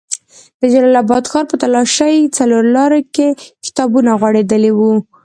د جلال اباد ښار په تالاشۍ څلور لاري کې کتابونه غوړېدلي وو.